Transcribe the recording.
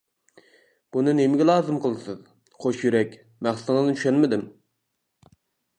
بۇنى نېمىگە لازىم قىلىسىز؟ قوش يۈرەك، مەقسىتىڭىزنى چۈشەنمىدىم.